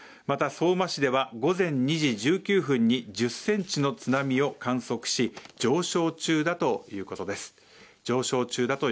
また相馬市では、午前２時１９分に１０センチの津波を観測し上昇中だということです。